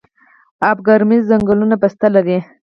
اب کمري ځنګلونه پسته لري؟